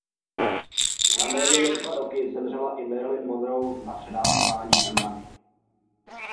Za méně než dva roky zemřela i Marilyn Monroe na předávkování drogami.